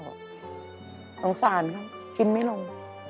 สงสารเขากินไม่ลง